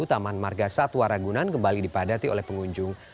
taman marga satwa ragunan kembali dipadati oleh pengunjung